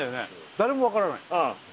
誰も分からない